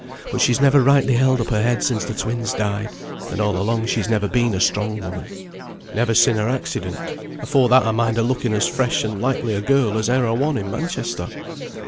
But she's never rightly held up her head since the twins died; and all along she has never been a strong woman." "Never sin' her accident. Afore that I mind her looking as fresh and likely a girl as e'er a one in Manchester."